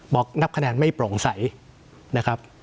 นับคะแนนไม่โปร่งใสนะครับ